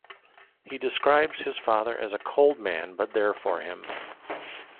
He describes his father as a cold man but there for him.